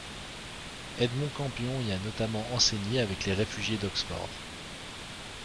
Edmond Campion y a notamment enseigné avec les réfugiés d’Oxford.